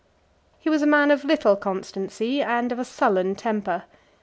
He was a man of little constancy, and of a sullen temper.